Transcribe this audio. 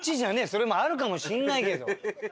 それもあるかもしれないけど。